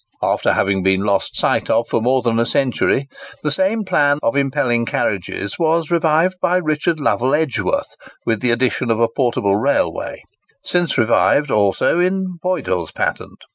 After having been lost sight of for more than a century, the same plan of impelling carriages was revived by Richard Lovell Edgworth, with the addition of a portable railway, since revived also, in Boydell's patent.